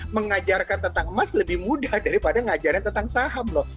mengajarkan tentang emas lebih mudah daripada ngajarin tentang saham loh